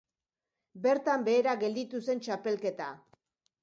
Bertan behera gelditu zen txapelketa.